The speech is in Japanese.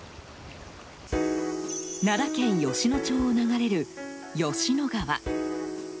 奈良県吉野町を流れる吉野川。